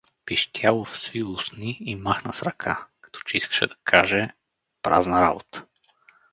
Пищялов сви устни и махна с ръка, като че искаше да каже: Празна работа!